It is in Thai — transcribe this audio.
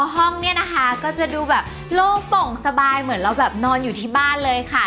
ห้องเนี่ยนะคะก็จะดูแบบโล่งโป่งสบายเหมือนเราแบบนอนอยู่ที่บ้านเลยค่ะ